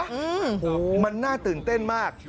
โอ้โหมันน่าตื่นเต้นมาก